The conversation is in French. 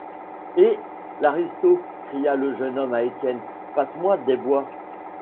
Eh! l’aristo ! cria le jeune homme à Étienne, passe-moi des bois.